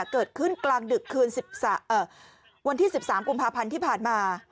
เกิดขึ้นกลางดึกคืนวันที่๑๓กุมภาพันธ์ที่ผ่านมา